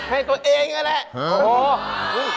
ให้ตัวเองนั่นแหละโอ้โฮ